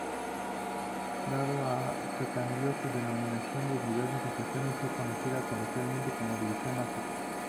Dado que cambió de denominación en diversas ocasiones, fue conocida coloquialmente como "División África".